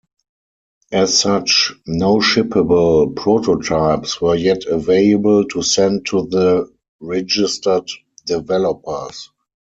As such, no shippable prototypes were yet available to send to the 'Registered Developers'.